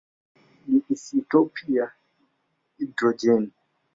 ni isotopi ya hidrojeni.